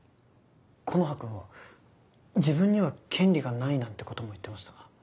木の葉君は自分には権利がないなんてことも言ってました。